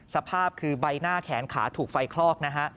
สภาพคือใบหน้าแขนขาถูกไฟคลอกนะฮะ